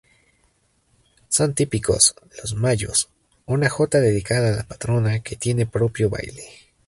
Son típicos "Los Mayos", una jota dedicada a la patrona que tiene propio baile.